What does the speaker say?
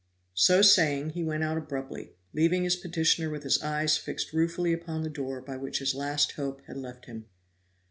So saying, he went out abruptly, leaving his petitioner with his eyes fixed ruefully upon the door by which his last hope had left him.